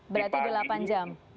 berarti delapan jam